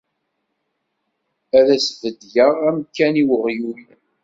Ad as-beddleɣ amkan i weɣyul.